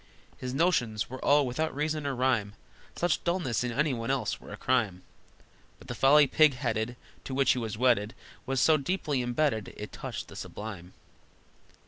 His notions were all without reason or rhyme, Such dullness in any one else were a crime, But the folly pig headed To which he was wedded Was so deep imbedded, it touched the sublime!